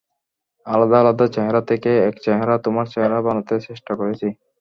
আলাদা আলাদা চেহারা থেকে এক চেহেরা, তোমার চেহেরা বানাতে চেষ্টা করেছি।